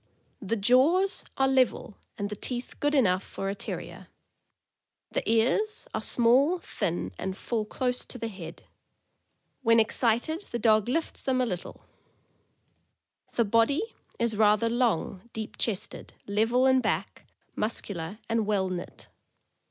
The jaws are level, and the teeth good enough for a Terrier. The ears are small, thin, and fall close to the head. When excited, the dog lifts them a little. THE MALTESE TERRIER. 503 The body is rather long, deep chested, level in back, mus cular, and well knit.